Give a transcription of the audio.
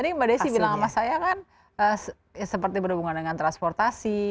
tadi mbak desi bilang sama saya kan seperti berhubungan dengan transportasi